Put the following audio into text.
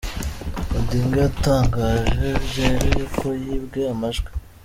Odinga yatangaje byeruye ko yibwe amajwi.